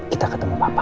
kita ketemu papa